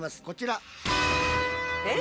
こちら。